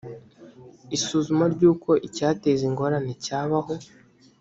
isuzuma ry uko icyateza ingorane cyabaho